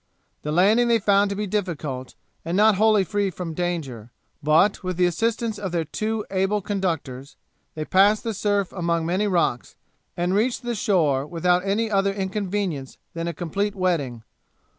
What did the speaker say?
The landing they found to be difficult, and not wholly free from danger; but, with the assistance of their two able conductors, they passed the surf among many rocks, and reached the shore without any other inconvenience than a complete wetting.